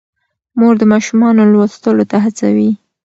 مور د ماشومانو لوستلو ته هڅوي.